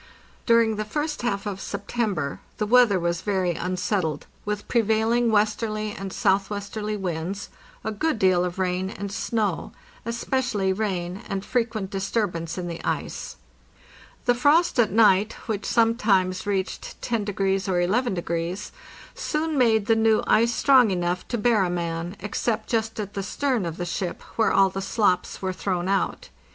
During the first half of September the weather was very un settled, with prevailing westerly and southwesterly winds, a good deal of rain and snow, especially rain, and frequent disturbance in the ice. The frost at night, which sometimes reached 10° or 11°, soon made the new ice strong enough to bear a man, ex cept just at the stern of the ship, where all the slops were thrown out.